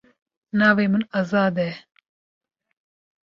Navê min Azad e.